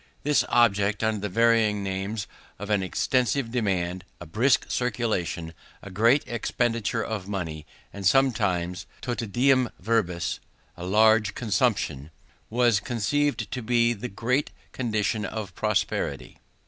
This object, under the varying names of an extensive demand, a brisk circulation, a great expenditure of money, and sometimes totidem verbis a large consumption, was conceived to be the great condition of prosperity.